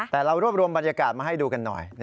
แต่เรารวบรวมบรรยากาศมาให้ดูกันหน่อย